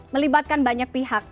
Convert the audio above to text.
melibatkan banyak pihak